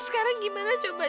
sekarang gimana coba caranya